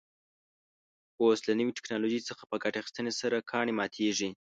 اوس له نوې تکنالوژۍ څخه په ګټې اخیستنې سره کاڼي ماتېږي.